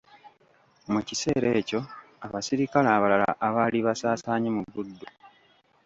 Mu kiseera ekyo abaserikale abalala abaali basaasaanye mu Buddu.